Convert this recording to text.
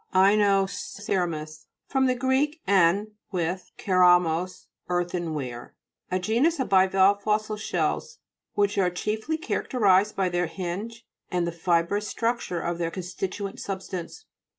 INOCE'RAMUS fr. gr. en, with, ke ramos, earthen ware? A genus of bivalve fossil shells, which are chief ly characterised by their hinge and the fibrous structure of their con stituent substance.